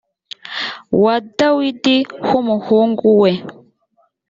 wa dawidi h umuhungu we